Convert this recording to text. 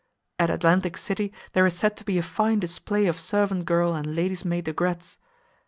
At Atlantic City there is said to be a fine display of servant girl and ladies maid aigrettes.